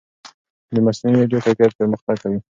د مصنوعي ویډیو کیفیت پرمختګ کوي.